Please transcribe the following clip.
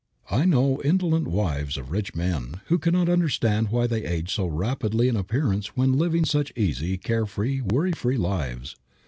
I know indolent wives of rich men, who cannot understand why they age so rapidly in appearance when living such easy, care free, worry free lives.